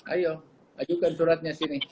ayo ajukan suratnya sini